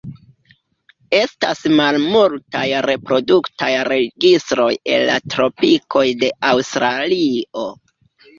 Estas malmultaj reproduktaj registroj el la tropikoj de Aŭstralio.